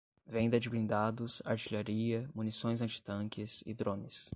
Venda de blindados, artilharia, munições antitanques e drones